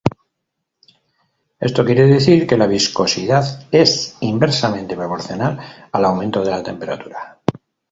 Esto quiere decir que la viscosidad es inversamente proporcional al aumento de la temperatura.